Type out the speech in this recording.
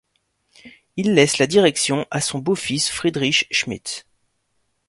Il laisse la direction à son beau-fils Friedrich Schmidt.